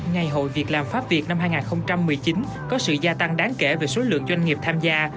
ngày hội việc làm pháp việt năm hai nghìn một mươi chín có sự gia tăng đáng kể về số lượng doanh nghiệp việt và pháp